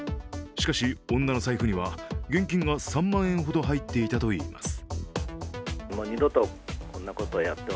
しかし、女の財布には現金が３万円ほど入っていたといいます。